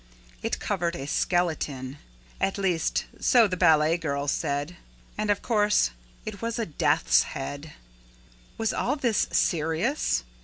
It covered a skeleton. At least, so the ballet girls said. And, of course, it had a death's head. Was all this serious?